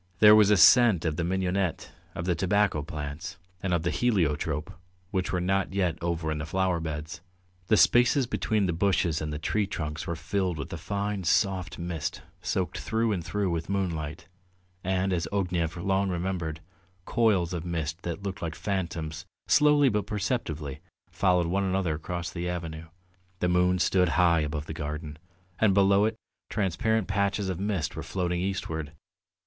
There was a scent of the mignonette, of the tobacco plants, and of the heliotrope, which were not yet over in the flower beds. The spaces between the bushes and the tree trunks were filled with a fine soft mist soaked through and through with moonlight, and, as Ognev long remembered, coils of mist that looked like phantoms slowly but perceptibly followed one another across the avenue. The moon stood high above the garden, and below it transparent patches of mist were floating eastward.